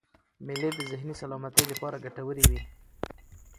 مېلې د ذهني سلامتۍ له پاره ګټوري يي.